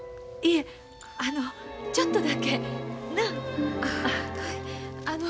いえあのちょっとだけ。なあ？